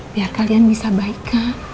biar kalian bisa baikan